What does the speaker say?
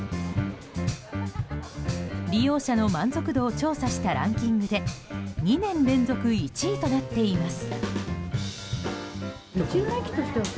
利用者の満足度を調査したランキングで２年連続１位となっています。